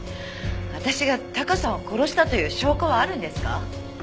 私がタカさんを殺したという証拠はあるんですか？